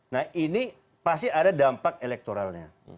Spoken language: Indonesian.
nah ini pasti ada dampak elektoralnya